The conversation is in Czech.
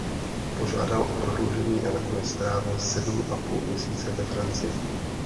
Požádal o prodloužení a nakonec strávil sedm a půl měsíce ve Francii.